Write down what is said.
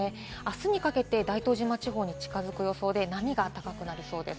あすにかけて大東島地方に近づく予想で波が高くなりそうです。